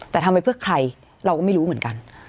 แต่ทำไปเพื่อใครเราก็ไม่รู้เหมือนกัน